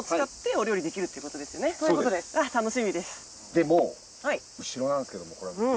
でもう後ろなんですけどこれ。